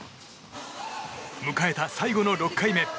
迎えた最後の６回目。